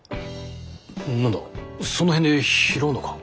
何だその辺で拾うのか？